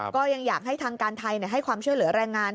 ก็ยังอยากให้ทางการไทยให้ความช่วยเหลือแรงงาน